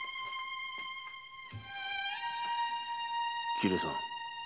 桐江さん。